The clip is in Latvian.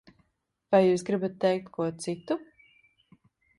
Vai jūs gribat teikt ko citu?